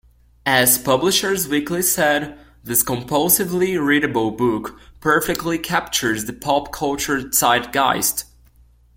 As "Publisher's Weekly" said, "This compulsively readable book perfectly captures the pop culture zeitgeist.